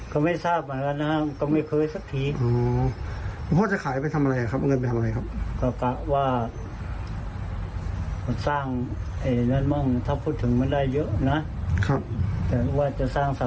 ก็ไม่ทราบเหมือนกันนะครับก็ไม่เคยสัจพีช